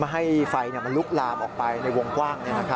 ให้ไฟมันลุกลามออกไปในวงกว้าง